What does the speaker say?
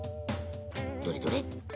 どれどれ？